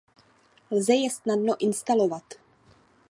Lze je snadno instalovat.